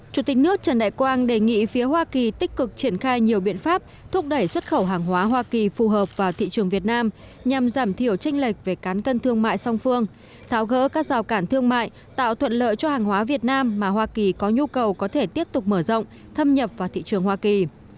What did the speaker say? chủ tịch nước trần đại quang đề nghị phía hoa kỳ tích cực triển khai nhiều biện pháp thúc đẩy xuất khẩu hàng hóa hoa kỳ phù hợp vào thị trường việt nam nhằm giảm thiểu tranh lệch về cán cân thương mại song phương tháo gỡ các rào cản thương mại tạo thuận lợi cho hàng hóa việt nam mà hoa kỳ có nhu cầu có thể tiếp tục mở rộng thâm nhập vào thị trường hoa kỳ